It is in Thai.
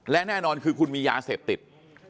และแน่นอนคือคุณมียาเสพติด